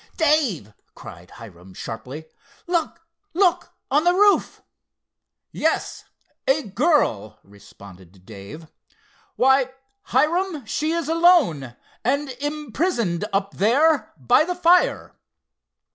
"Dave," cried Hiram sharply—"look, look, on the roof!" "Yes—a girl," responded Dave. "Why, Hiram, she is alone, and imprisoned up there by the fire!"